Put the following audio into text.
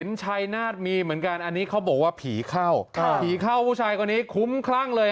ชายนาฏมีเหมือนกันอันนี้เขาบอกว่าผีเข้าผีเข้าผู้ชายคนนี้คุ้มคลั่งเลย